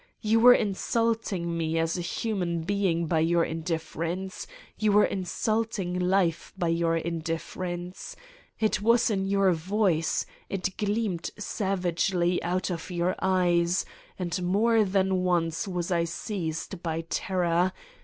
You were insulting me as a human being by your indifference: You were insulting life by your indifference. It *was in your voice, it gleamed savagely out of your eyes, and more than once was I seized by terror ...